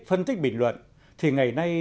phân tích bình luận thì ngày nay